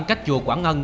cách chùa quảng ngân